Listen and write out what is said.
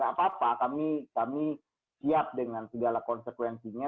tidak apa apa kami siap dengan segala konsekuensinya